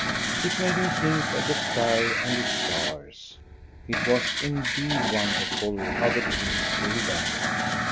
It made him think of the sky and its stars. It was indeed wonderful how the trees grew there.